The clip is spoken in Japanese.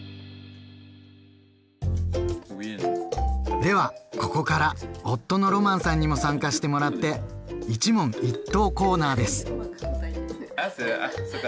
ではここから夫のロマンさんにも参加してもらって一問一答コーナーです！